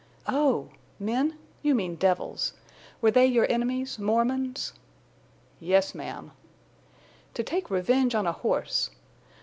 "Oh! Men? You mean devils.... Were they your enemies—Mormons?" "Yes, ma'am." "To take revenge on a horse!